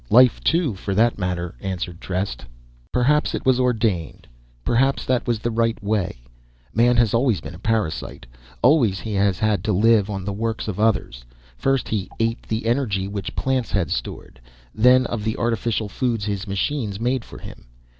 Life, too, for that matter," answered Trest. "Perhaps it was ordained; perhaps that was the right way. Man has always been a parasite; always he had to live on the works of others. First, he ate of the energy, which plants had stored, then of the artificial foods his machines made for him.